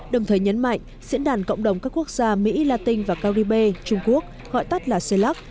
đồng thời nhấn mạnh diễn đàn cộng đồng các quốc gia mỹ latin và caribe trung quốc gọi tắt là cellux